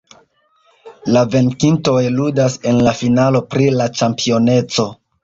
La venkintoj ludas en la finalo pri la ĉampioneco.